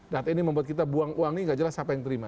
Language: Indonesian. data ini membuat kita buang uang ini nggak jelas siapa yang terima